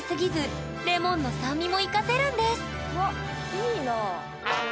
いいなあ。